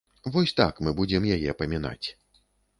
Вось так мы будзем яе памінаць.